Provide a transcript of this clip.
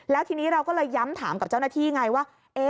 แล้วทีนี้เราก็เลยย้ำถามกับเจ้าหน้าที่ไงว่า